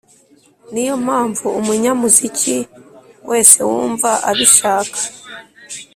niyo mpamvu umunyamuziki wesewumva abishaka